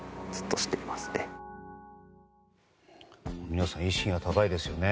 皆さん意識が高いですよね。